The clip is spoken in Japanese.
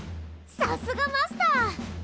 さすがマスター！